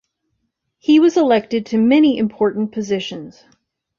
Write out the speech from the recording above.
He was elected to many important positions.